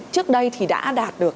trước đây thì đã đạt được